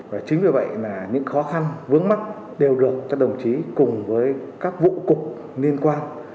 và chính vì vậy là những khó khăn vướng mắt đều được các đồng chí cùng với các vụ cục liên quan